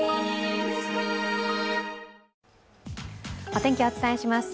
お天気、お伝えします。